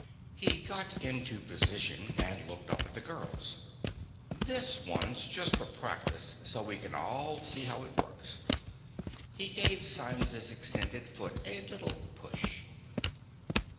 He got into position and looked up at the girls. "This one's just for practice, so we can all see how it works." He gave Symes's extended foot a little push.